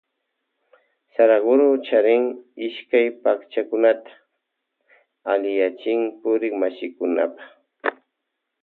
Saraguro charin ishkay pakchakunata alliyachin purikmashikunapa.